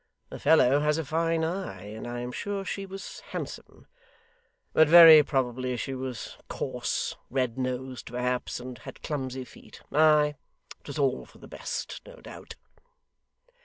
The fellow has a fine eye, and I am sure she was handsome. But very probably she was coarse red nosed perhaps, and had clumsy feet. Aye, it was all for the best, no doubt.